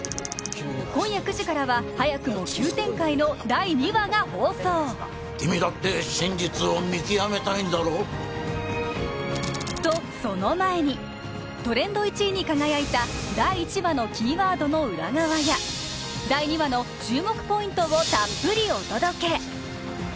今夜９時からは早くも急展開の第２話が放送君だって真実を見極めたいんだろう？とその前にトレンド１位に輝いた第１話のキーワードの裏側や第２話の注目ポイントをたっぷりお届け